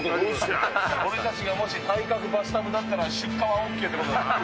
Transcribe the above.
俺たちがもし、体格バスタブだったら出荷はＯＫってことだな。